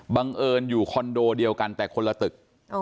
บังเอิญอยู่คอนโดเดียวกันแต่คนละตึก